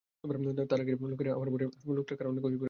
তার আগেই, আমার বোনের আর লোকটার খুনের কারণ খুঁজে বের করব।